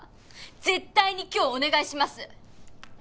絶対に今日お願いします！